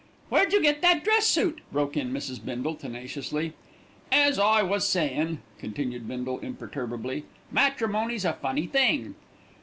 "Where'd you get that dress suit?" broke in Mrs. Bindle tenaciously. "As I was sayin'," continued Bindle imperturbably, "matrimony's a funny thing."